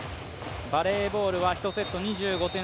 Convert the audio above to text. バレーボールは１セット２５点